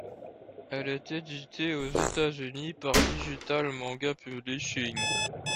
Elle est éditée aux États-Unis par Digital Manga Publishing.